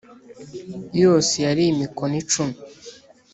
yose yari mikono cumi